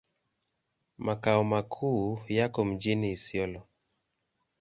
Makao makuu yako mjini Isiolo.